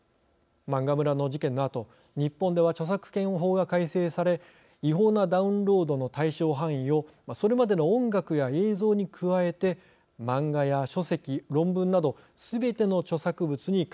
漫画村の事件のあと日本では著作権法が改正され違法なダウンロードの対象範囲をそれまでの音楽や映像に加えて漫画や書籍論文などすべての著作物に拡大しました。